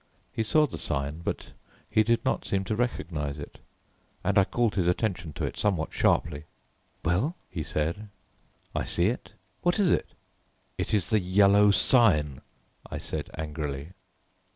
He saw the sign, but he did not seem to recognize it, and I called his attention to it somewhat sharply. "Well," he said, "I see it. What is it?" "It is the Yellow Sign," I said angrily.